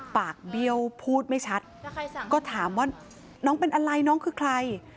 เบี้ยวพูดไม่ชัดก็ถามว่าน้องเป็นอะไรน้องคือใคร